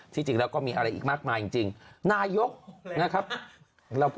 จริงแล้วก็มีอะไรอีกมากมายจริงนายกนะครับ